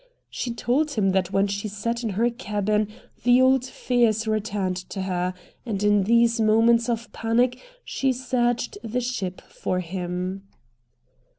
She told him that when she sat in her cabin the old fears returned to her, and in these moments of panic she searched the ship for him.